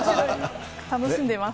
楽しんでます。